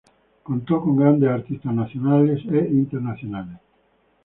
Contó con grandes artistas nacionales e internacionales.